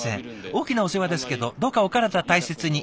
大きなお世話ですけどどうかお体大切に。